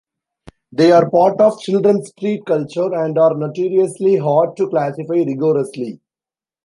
They are part of children's street culture, and are notoriously hard to classify rigorously.